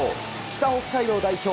北北海道代表